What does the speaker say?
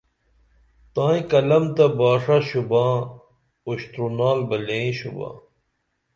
تائیں قلم تہ باݜہ شُباں اُشترونال بہ لئیں شُباں